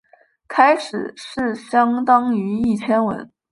开始是相当于一千文。